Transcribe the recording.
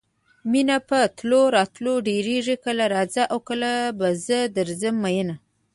مینه په تلو راتلو ډېرېږي کله راځه او کله به زه درځم میینه.